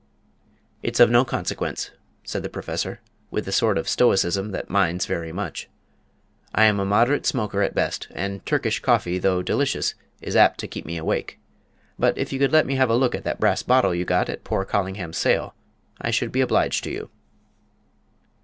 "It's of no consequence," said the Professor, with the sort of stoicism that minds very much. "I am a moderate smoker at best, and Turkish coffee, though delicious, is apt to keep me awake. But if you could let me have a look at that brass bottle you got at poor Collingham's sale, I should be obliged to you."